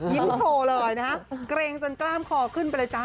ยิ้มโฉลเลยนะครับเกรงจนกล้ามคอขึ้นไปละจ๊ะ